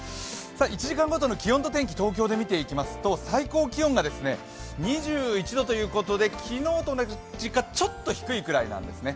１時間ごとの気温と天気、東京で見ていきますと最高気温が２１度ということで昨日と同じか、ちょっと低いくらいですね。